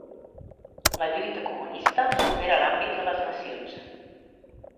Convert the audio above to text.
La lluita comunista supera l'àmbit de les nacions.